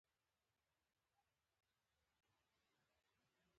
دې تاخچه کې یې کېښود.